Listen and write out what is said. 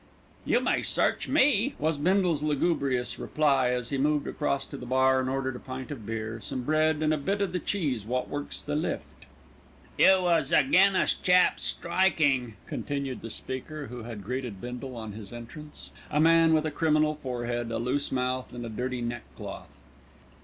"You may search me," was Bindle's lugubrious reply, as he moved across to the bar and ordered a pint of beer, some bread, and "a bit o' the cheese wot works the lift." "You was agin us chaps striking," continued the speaker who had greeted Bindle on his entrance, a man with a criminal forehead, a loose mouth, and a dirty neck cloth.